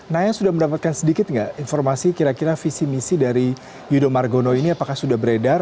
naya sudah mendapatkan sedikit nggak informasi kira kira visi misi dari yudho margono ini apakah sudah beredar